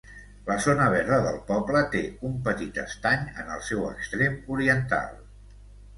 La zona verda del poble té un petit estany en el seu extrem oriental.